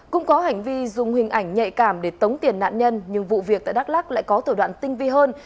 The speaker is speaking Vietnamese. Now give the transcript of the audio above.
cũng có hành vi dùng hình ảnh nhạy cảm để tống tiền nạn nhân nhưng vụ việc tại đắk lắc lại có tổ đoạn tinh vi hơn